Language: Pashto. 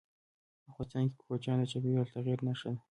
افغانستان کې کوچیان د چاپېریال د تغیر نښه ده.